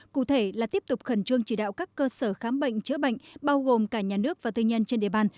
cụ thể là tiếp tục khẩn trương chỉ đạo các cơ sở khám bệnh chữa bệnh bao gồm cả nhà nước và tư nhân trên địa bàn